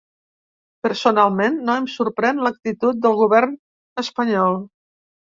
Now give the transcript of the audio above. Personalment, no em sorprèn l’actitud del govern espanyol.